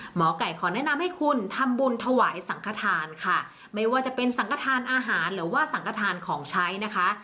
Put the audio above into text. หมอไก่ขอแนะนำให้คุณทำบุญถวายสังขทานค่ะไม่ว่าจะเป็นสังขทานอาหารหรือว่าสังขทานของใช้นะคะ